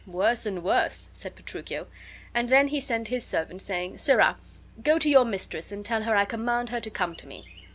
"Worse and worse!" said Petruchio. And then he sent his servant, saying, "Sirrah, go to your mistress and tell her I command her to come to me."